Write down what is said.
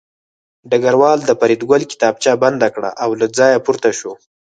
ډګروال د فریدګل کتابچه بنده کړه او له ځایه پورته شو